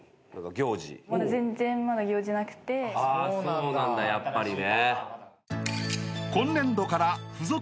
そうなんだやっぱりね。